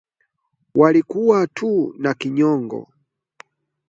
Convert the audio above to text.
Walikuwa tu na kinyongo